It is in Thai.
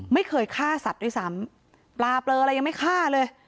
ไม่เคยฆ่าสัตว์ด้วยซ้ำปลาเปลืออะไรยังไม่ฆ่าเลย